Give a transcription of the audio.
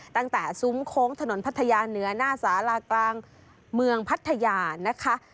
ตั้งแต่ซุ้มโค้งถนนพัทยาเหนือหน้าสาหร่างเมืองพัทยานะคะ